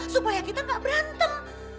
supaya kita gak berantem